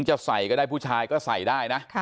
จะใส่ก็ได้ผู้ชายก็ใส่ได้นะ